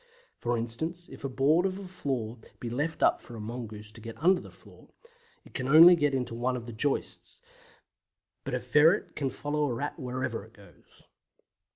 For instance, if a board of a floor be left up for a mongoose to get under the floor, it can only get into one of the joists; but a ferret can follow a Rat wherever it goes.